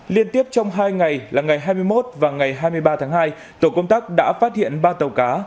liên tiếp trong hai ngày là ngày hai mươi một và ngày hai mươi ba tháng hai tổ công tác đã phát hiện ba tàu cá